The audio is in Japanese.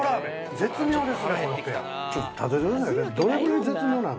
絶妙です。